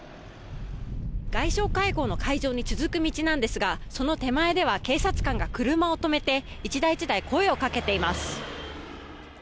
外相会合の会場に続く道なんですがその手前では警察官が車を止めて１台１台声をかけています。